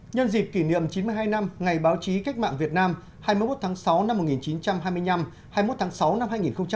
nhân dịp kỷ niệm chín mươi hai năm ngày báo chí cách mạng việt nam hai mươi một tháng sáu năm một nghìn chín trăm hai mươi năm hai mươi một tháng sáu năm hai nghìn hai mươi